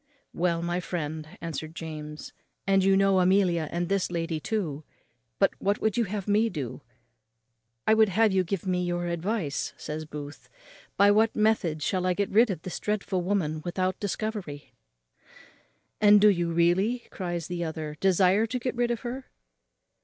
"Well, my dear friend," answered James, "and you know Amelia and this lady too. But what would you have me do for you?" "I would have you give me your advice," says Booth, "by what method I shall get rid of this dreadful woman without a discovery." "And do you really," cries the other, "desire to get rid of her?"